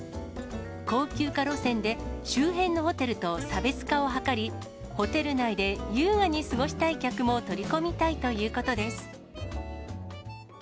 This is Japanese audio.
高級化路線で、周辺のホテルと差別化を図り、ホテル内で優雅に過ごしたい客も取り込みたいということです。